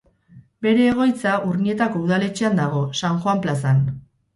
Bere egoitza Urnietako udaletxean dago, San Juan plazan.